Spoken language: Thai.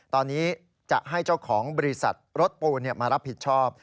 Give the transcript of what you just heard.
ตอนนี้จะให้เจ้าของบริษัทรถปูนมารับผิดชอบ